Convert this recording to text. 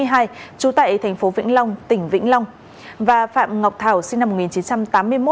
trú tại thành phố vĩnh long tỉnh vĩnh long và phạm ngọc thảo sinh năm một nghìn chín trăm tám mươi một